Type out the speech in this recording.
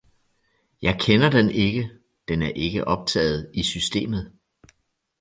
Jeg kender den ikke, den er ikke optaget i systemet